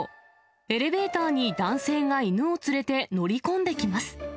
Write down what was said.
エレベーターに男性が犬を連れて乗り込んできます。